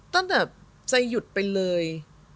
ตั้งแต่ใจหยุดไปเลย